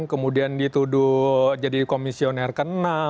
kemudian dituduh jadi komisioner ke enam